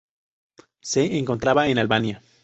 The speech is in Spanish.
Se encontraba en Albania.